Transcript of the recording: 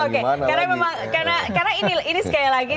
karena ini sekali lagi